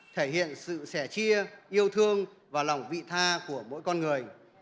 thể hiện sự sẻ chia yêu thương và lòng vị tha của mỗi con người